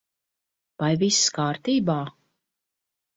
Vai viss kārtībā?